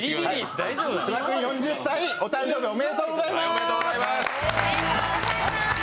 芝君４０歳、お誕生日おめでとうございます。